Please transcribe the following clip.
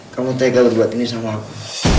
kamu tegal buat ini sama aku